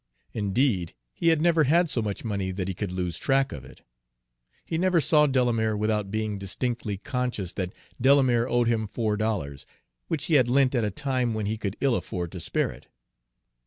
Indeed, he had never had so much money that he could lose track of it. He never saw Delamere without being distinctly conscious that Delamere owed him four dollars, which he had lent at a time when he could ill afford to spare it.